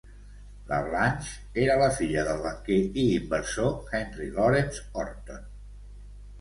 La Blanche era la filla del banquer i inversor Henry Lawrence Horton.